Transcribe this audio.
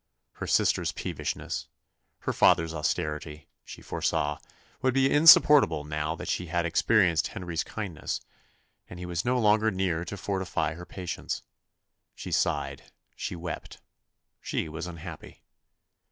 Her sisters' peevishness, her father's austerity, she foresaw, would be insupportable now that she had experienced Henry's kindness, and he was no longer near to fortify her patience. She sighed she wept she was unhappy.